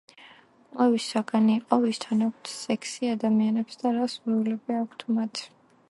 კვლევის საგანი იყო „ვისთან აქვთ სექსი ადამიანებს და რა სურვილები აქვთ მათ“.